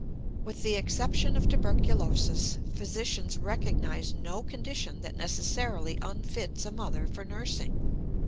With the exception of tuberculosis, physicians recognize no condition that necessarily unfits a mother for nursing.